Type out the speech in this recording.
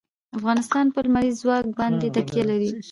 افغانستان په لمریز ځواک باندې تکیه لري.